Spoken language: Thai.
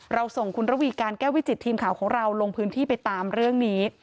ส่งคุณระวีการแก้ววิจิตทีมข่าวของเราลงพื้นที่ไปตามเรื่องนี้